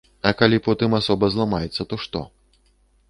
А калі потым асоба зламаецца, то што?